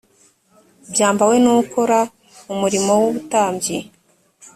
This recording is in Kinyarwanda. byambarwe n ukora umurimo w ubutambyi